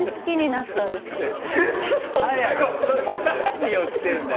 何をしてんだよ